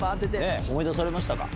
思い出されましたか？